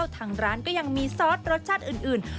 ทางร้านก็ยังมีซอสรสชาติอื่น